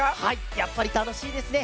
やっぱりたのしいですね。